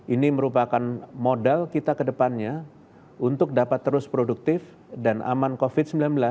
ini merupakan modal kita ke depannya untuk dapat terus produktif dan aman covid sembilan belas